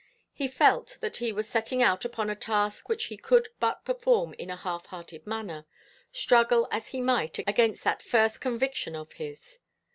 He felt that he was setting out upon a task which he could but perform in a half hearted manner, struggle as he might against that first conviction of his.